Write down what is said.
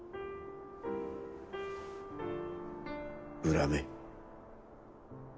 恨め。